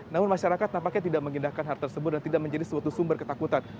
namun masyarakat tampaknya tidak mengindahkan hal tersebut dan tidak menjadi suatu sumber ketakutan